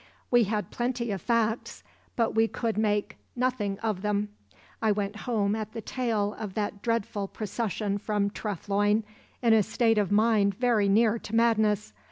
We had plenty of facts, but we could make nothing of them. I went home at the tail of that dreadful procession from Treff Loyne in a state of mind very near to madness.